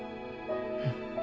うん。